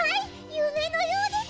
ゆめのようです。